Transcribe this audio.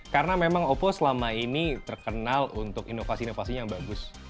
karena memang oppo selama ini terkenal untuk inovasi inovasinya yang bagus